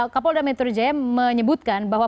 kapolda metro jaya menyebutkan bahwa